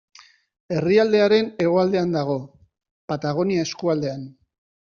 Herrialdearen hegoaldean dago, Patagonia eskualdean.